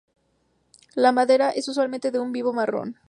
La madera es usualmente de un vivo marrón.